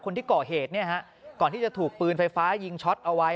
คนที่เกาะเหตุก่อนที่จะถูกปืนไฟฟ้ายิงช็อตเอาไว้